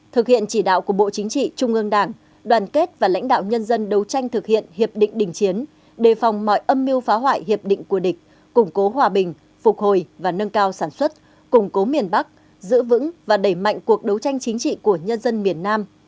thực hiện chỉ đạo của bộ chính trị trung ương đảng đoàn kết và lãnh đạo nhân dân đấu tranh thực hiện hiệp định đình chiến đề phòng mọi âm mưu phá hoại hiệp định của địch củng cố hòa bình phục hồi và nâng cao sản xuất củng cố miền bắc giữ vững và đẩy mạnh cuộc đấu tranh chính trị của nhân dân miền nam